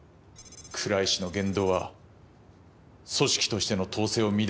倉石の言動は組織としての統制を乱すものです。